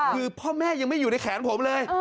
คือพ่อแม่ยังไม่อยู่ในแขนผมเลย